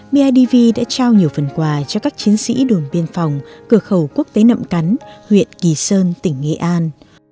bidv đã trao nhiều phần quà cho các chiến sĩ đồn biên phòng cửa khẩu quốc tế nậm cắn huyện kỳ sơn tỉnh nghệ an